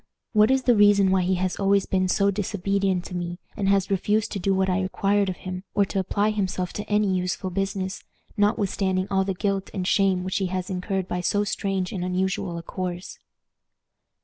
What is the reason why he has always been so disobedient to me, and has refused to do what I required of him, or to apply himself to any useful business, notwithstanding all the guilt and shame which he has incurred by so strange and unusual a course?